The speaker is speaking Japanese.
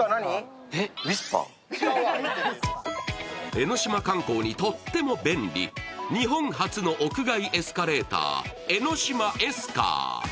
江の島観光にとっても便利、日本初の屋外エスカレーター、江の島エスカー。